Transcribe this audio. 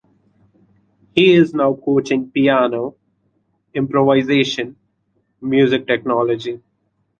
He is now coaching piano, improvisation, music technology.